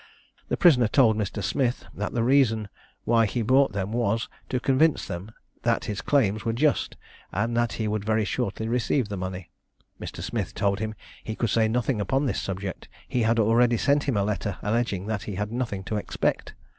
The prisoner told Mr. Smith, that the reason why he brought them was, to convince them that his claims were just, and that he would very shortly receive the money. Mr. Smith told him he could say nothing upon this subject; he had already sent him a letter alleging that he had nothing to expect.